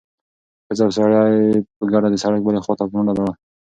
ښځه او سړی په ګډه د سړک بلې خوا ته په منډه لاړل.